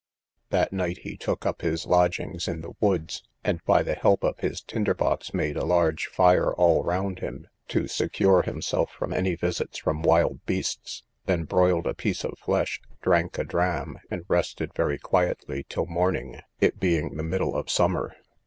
That night he took up his lodgings in the woods, and, by the help of his tinder box, made a large fire all round him, to secure himself from any visits from the wild beasts, then broiled a piece of flesh, drank a dram, and rested very quietly till morning, it being the middle of summer.